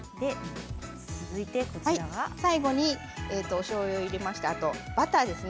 最後に、おしょうゆを入れたあとバターですね。